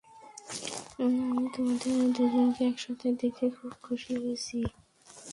আমি তোমাদের দুজনকে একসাথে দেখে খুব খুশি হয়েছি।